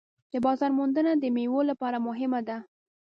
د بازار موندنه د میوو لپاره مهمه ده.